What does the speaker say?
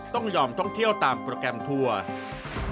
ต้องยอมท่องเที่ยวตามโปรแกรมทัวร์